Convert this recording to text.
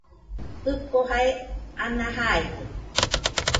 Jiko jae ana jaide.